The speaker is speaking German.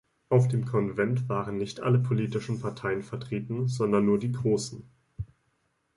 Auf dem Konvent waren nicht alle politischen Parteien vertreten, sondern nur die großen.